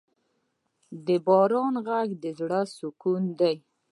د باران ږغ د زړه سکون دی.